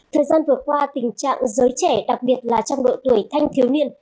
thời gian vừa qua tình trạng giới trẻ đặc biệt là trong độ tuổi thanh thiếu niên